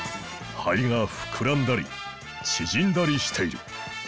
肺がふくらんだりちぢんだりしている。